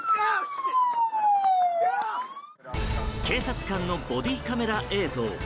警察官のボディーカメラ映像。